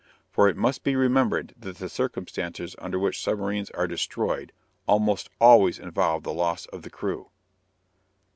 For it must be remembered that the circumstances under which submarines are destroyed almost always involve the loss of the crew.